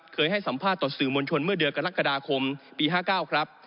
ให้สัมภาษณ์ต่อสื่อมวลชนเมื่อเดือนกรกฎาคมปี๕๙ครับ